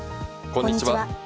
こんにちは。